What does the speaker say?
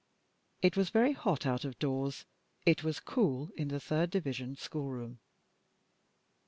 It was very hot out of doors; it was cool in the third division school room.